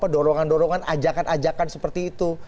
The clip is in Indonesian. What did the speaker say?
dorongan dorongan ajakan ajakan seperti itu